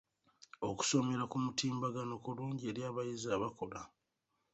Okusomera ku mutimbagano kulungi eri abayizi abakola.